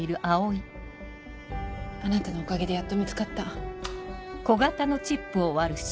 あなたのおかげでやっと見つかった。